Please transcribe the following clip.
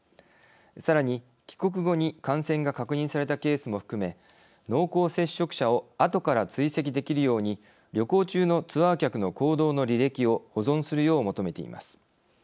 さらに、帰国後に感染が確認されたケースも含め濃厚接触者をあとから追跡できるように旅行中のツアー客の行動の履歴を保存するよう求めています。